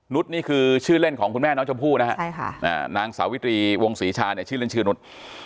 นุ๊ดนี่คือชื่อเล่นของคุณแม่น้องชมพู่นะครับนางสาวิตรีวงศรีชาชื่อเล่นชื่อนุ๊ด